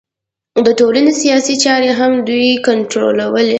د ټولنې سیاسي چارې هم دوی کنټرولوي